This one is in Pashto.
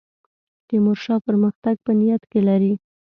تیمورشاه پرمختګ په نیت کې لري.